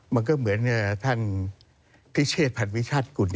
มันก็เหมือนท่านพิเศษผัดวิชัฎคุณ